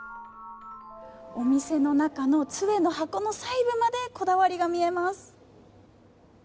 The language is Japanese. お店の中の杖の箱の細部までこだわりが見えます。